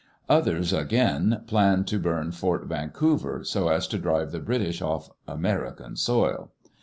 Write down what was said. Others, again, planned to burn Fort Vancouver, so as to drive the British off "American soil."